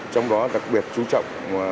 trong đó đặc biệt chú trọng